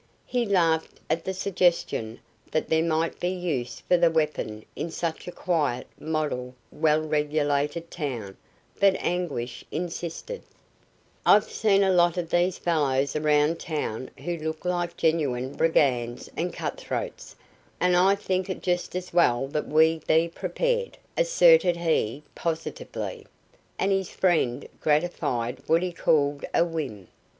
He laughed at the suggestion tha there might be use for the weapon in such a quiet, model, well regulated town, but Anguish insisted: "I've seen a lot of these fellows around town who look like genuine brigands and cutthroats, and I think it just as well that we be prepared," asserted he, positively, and his friend gratified what he called a whim.